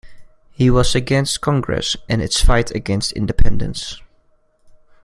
He was against Congress and its fight against independence.